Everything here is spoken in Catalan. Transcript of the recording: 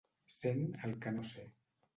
Sent el que no sé.